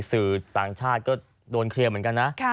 สื่อต่างชาติก็โดนเคลียร์เหมือนกันนะ